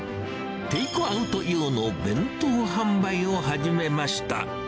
テイクアウト用の弁当販売を始めました。